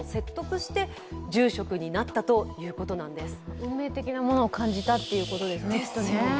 運命的なものを感じたということですね。